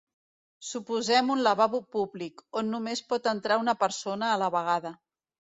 Suposem un lavabo públic, on només pot entrar una persona a la vegada.